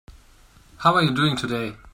How are you doing today?